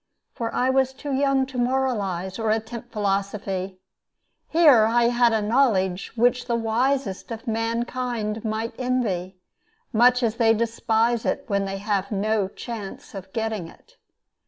For I was too young to moralize or attempt philosophy. Here I had a knowledge which the wisest of mankind might envy, much as they despise it when they have no chance of getting it.